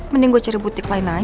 mending gue cari butik lain aja